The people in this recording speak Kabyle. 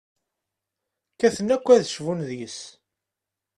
Kkaten akk ad d-cbun deg-s.